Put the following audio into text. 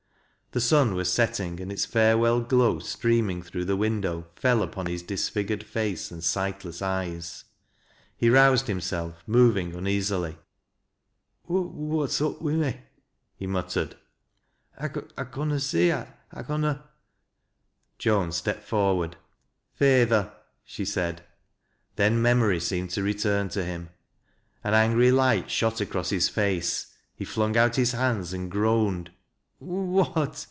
The sun was aeltiug and its farewell glow streaming through the windo\» fell upon his disfigured face and sightless eyes. He roused himself, moving uneasih". THE LAST BLOW. 207 " Wliat's up wi' me ?" he muttered. " I conna Bee — 1 couna —" Joan stepped forward. " Feyther," she said. Then memory seemed to return to him. An angry light shot across his face. He flung out his hands and groaned : "What!"